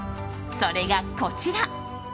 それが、こちら。